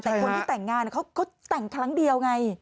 แต่คนที่แต่งงานเขาก็แต่งครั้งเดียวไง